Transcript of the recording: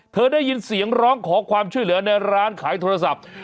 เธอได้ยินเสียงร้องขอความช่วยเหลือในร้านขายโทรศัพท์